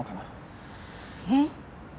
えっ？